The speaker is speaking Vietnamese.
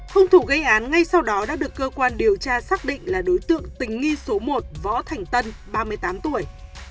hùng thủ gây án ngay sau đó đã được cơ quan điều tra xác định là đối tượng tình nghi số một võ thành tân ba mươi tám tuổi